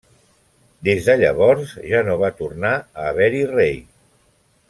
Des de llavors ja no va tornar a haver-hi rei.